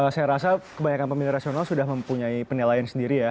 saya rasa kebanyakan pemilih rasional sudah mempunyai penilaian sendiri ya